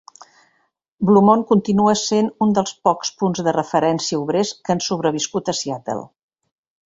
Blue Moon continua sent un dels pocs punts de referència obrers que han sobreviscut a Seattle.